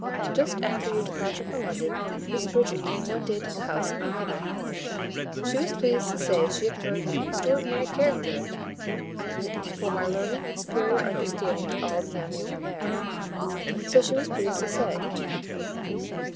Just after your departure for London, Miss Bridget came one day to the house of my mother. She was pleased to say she had heard an extraordinary character of me, for my learning and superior understanding to all the young women there, so she was pleased to say.